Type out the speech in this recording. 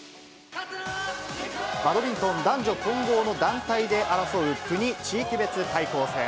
バドミントン男女混合の団体で争う国・地域別対抗戦。